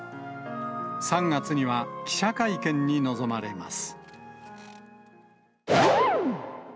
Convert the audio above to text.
３月には、記者会見に臨まれます。